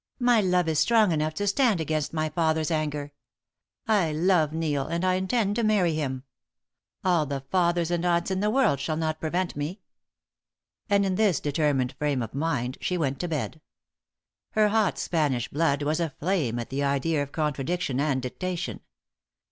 "My love is strong enough to stand against my father's anger. I love Neil, and I intend to marry him. All the fathers and aunts in the world shall not prevent me." And in this determined frame of mind she went to bed. Her hot Spanish blood was aflame at the idea of contradiction and dictation.